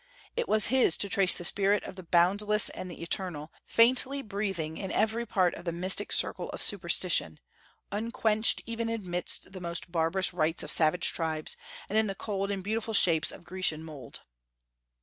It was his to trace the Spirit of the boundless and the eternal, faintly breathing in every part of the mystic circle of superstition, unquenched even amidst the most barbarous rites of savage tribes, and in the cold and beautiful shapes of Grecian mould."